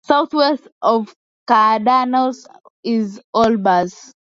Southwest of Cardanus is Olbers.